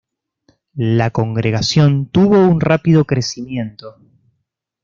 La congregación tuvo un rápido crecimiento.